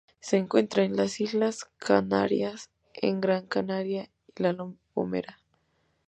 Se encuentra en las Islas Canarias en Gran Canaria y La Gomera.